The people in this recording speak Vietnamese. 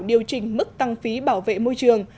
điều chỉnh mức tăng phí bảo vệ môi trường